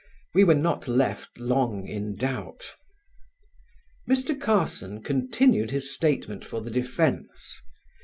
We were not left long in doubt. Mr. Carson continued his statement for the defence.